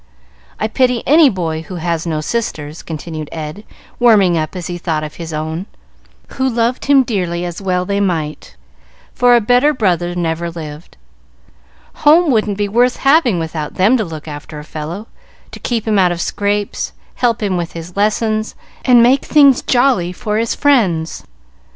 I pity any boy who has no sisters," continued Ed, warming up as he thought of his own, who loved him dearly, as well they might, for a better brother never lived. "Home wouldn't be worth having without them to look after a fellow, to keep him out of scrapes, help him with his lessons, and make things jolly for his friends.